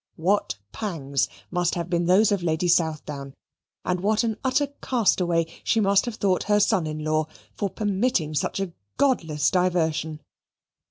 What pangs must have been those of Lady Southdown, and what an utter castaway she must have thought her son in law for permitting such a godless diversion!